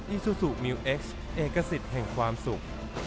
อซูซูมิวเอ็กซ์เอกสิทธิ์แห่งความสุข